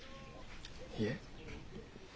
いえ。